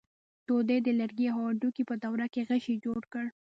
دوی د لرګي او هډوکي په دوره کې غشی جوړ کړ.